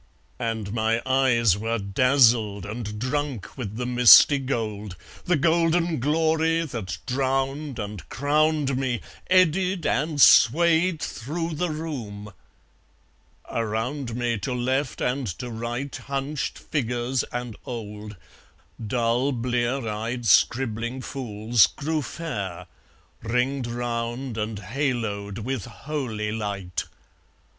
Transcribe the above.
And my eyes Were dazzled and drunk with the misty gold, The golden glory that drowned and crowned me Eddied and swayed through the room ... Around me, To left and to right, Hunched figures and old, Dull blear eyed scribbling fools, grew fair, Ringed round and haloed with holy light.